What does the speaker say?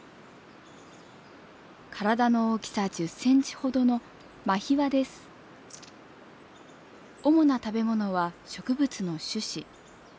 体の大きさ１０センチほどの主な食べ物は植物の種子。